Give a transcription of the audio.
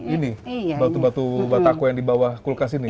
ini batu batu batako yang di bawah kulkas ini